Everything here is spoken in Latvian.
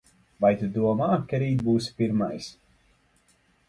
Vai tu domā, ka rīt būsi pirmais?